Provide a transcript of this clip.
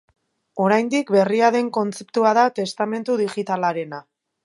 Oraindik berria den kontzeptua da testamentu digitalarena.